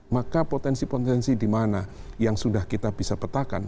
maka potensi potensi di mana yang sudah kita bisa petakan